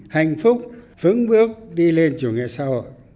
hạnh phúc vững bước đi lên chủ nghĩa xã hội